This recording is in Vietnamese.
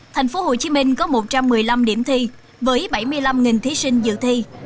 tp hcm có một trăm một mươi năm điểm thi với bảy mươi năm thí sinh dự thi